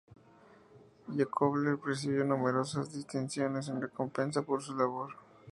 Yákovlev recibió numerosas distinciones en recompensa por su labor.